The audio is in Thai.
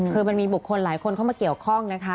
คือมันมีบุคคลหลายคนเข้ามาเกี่ยวข้องนะคะ